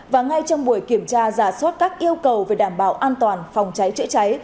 và ngay trong buổi kiểm tra giả soát các yêu cầu về đảm bảo an toàn phòng cháy chữa cháy